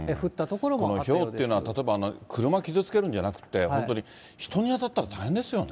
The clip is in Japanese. このひょうっていうのは、例えば車傷つけるんじゃなくて、本当に人に当たったら大変ですよね。